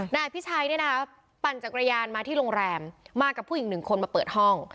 นายอภิชัยเนี่ยนะปั่นจักรยานมาที่โรงแรมมากับผู้หญิงหนึ่งคนมาเปิดห้อง